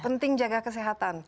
penting jaga kesehatan